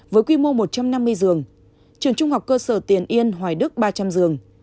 với quy mô một trăm năm mươi giường trường trung học cơ sở tiền yên hoài đức ba trăm linh giường